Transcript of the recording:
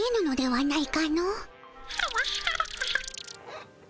はい？